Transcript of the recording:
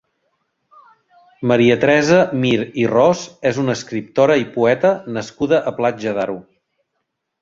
Maria Teresa Mir i Ros és una escriptora i poeta nascuda a Platja d'Aro.